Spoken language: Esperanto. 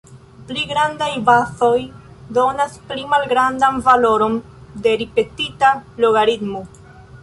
Pli grandaj bazoj donas pli malgrandan valoron de ripetita logaritmo.